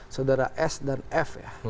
saudara s dan f ya